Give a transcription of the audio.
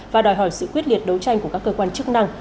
và đòi hỏi sự quyết liệt đấu tranh của các cơ quan chức năng